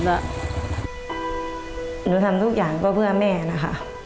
ว่าหนูทำทุกอย่างก็เพื่อแม่นะคะ